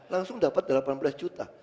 langsung dapat delapan belas juta